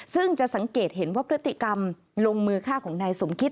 ซึ่งจะสังเกตเห็นว่าพฤติกรรมลงมือฆ่าของนายสมคิต